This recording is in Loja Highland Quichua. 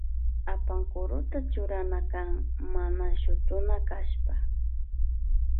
Apankuruta churana kan mana shutuna kashpa.